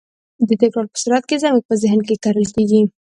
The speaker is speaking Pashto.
د تکرار په صورت کې زموږ په ذهن کې کرل کېږي.